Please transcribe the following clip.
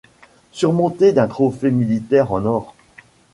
Surmontée d'un trophée militaire en or.